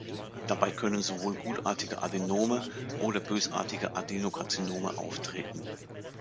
Dabei können sowohl gutartige Adenome oder bösartige Adenokarzinome auftreten.